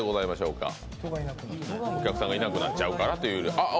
お客さんがいなくなっちゃうからという。